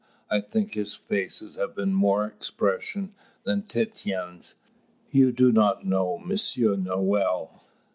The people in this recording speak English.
I think his faces have been more expression than Titian's. You do not know Monsieur Nohl?"